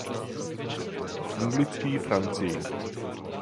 Anglický Francii.